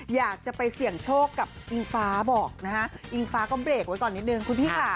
อยากจะไปเสี่ยงโชคกับอิงฟ้าบอกนะฮะอิงฟ้าก็เบรกไว้ก่อนนิดนึงคุณพี่ค่ะ